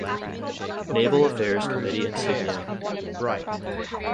Naval Affairs Committee insignia.